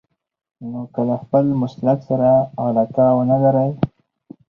نو که له خپل مسلک سره علاقه ونه لرئ.